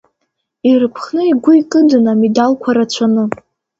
Ирыԥхны игәы икыдын амедалқәа рацәаны.